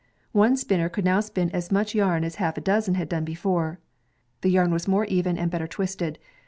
One spinner cx>uld now spin as much yam as a half dozen had done before. The yam was more ev^i, and better twisted.